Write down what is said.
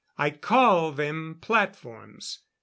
I call them platforms.